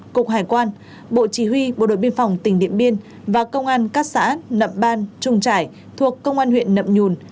cục hải quan bộ chỉ huy bộ đội biên phòng tỉnh điện biên và công an các xã nậm ban trung trải thuộc công an huyện nậm nhùn